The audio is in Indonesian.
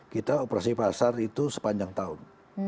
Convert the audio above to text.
kita operasi pasar itu sepanjang tahun